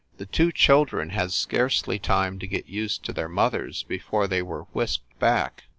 The two children had scarcely time to get used to their mothers before they were whisked back.